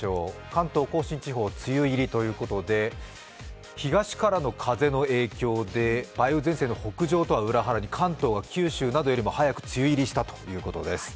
関東甲信地方、梅雨入りということで東からの風の影響で梅雨前線の北上とは裏腹に関東が九州などよりも早く梅雨入りしたということです